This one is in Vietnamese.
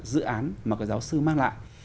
dự án mà giáo sư mang lại